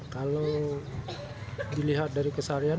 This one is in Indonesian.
kalau dilihat dari keseharian